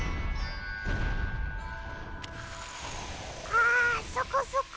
ああそこそこ。